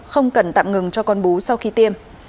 không cần tạm ngừng cho con bú sau khi tiêm